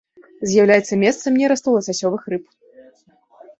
З'яўляецца месцам нерасту ласасёвых рыб.